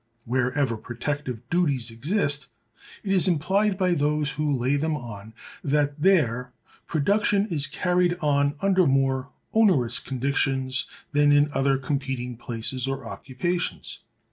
Wherever protective duties exist it is implied by those who lay them on that there production is carried on under more onerous conditions than in other competing places or occupations.